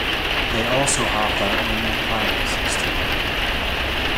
They also have their own rank system.